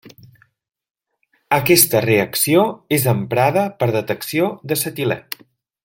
Aquesta reacció és emprada per detecció d'acetilè.